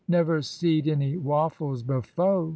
''Never seed any wafHes befo'!